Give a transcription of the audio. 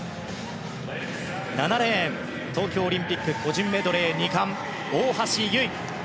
７レーン、東京オリンピック個人メドレー２冠、大橋悠依。